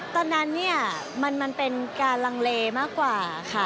ตอนนั้นเนี่ยมันเป็นการลังเลมากกว่าค่ะ